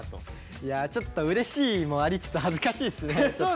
いやちょっとうれしいもありつつ恥ずかしいっすねちょっと。